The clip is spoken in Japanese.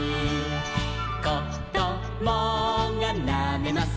「こどもがなめます